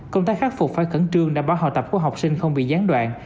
công tác khắc phục phải khẩn trương đảm bảo học tập của học sinh không bị gián đoạn